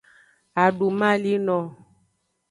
Adumalino.